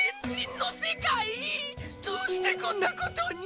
どうしてこんなことに。